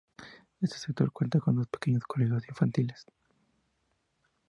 Este sector cuenta con dos pequeños colegios infantiles.